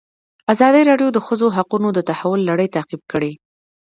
ازادي راډیو د د ښځو حقونه د تحول لړۍ تعقیب کړې.